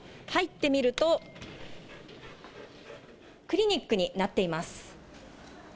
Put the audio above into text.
入ってみると、クリニックになっています。